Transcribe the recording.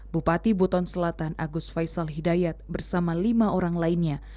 bupati buton selatan agus faisal hidayat bersama lima orang lainnya